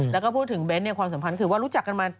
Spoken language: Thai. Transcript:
แล้วก็พูดถึงเบนท์ความสำคัญคือว่ารู้จักกันมา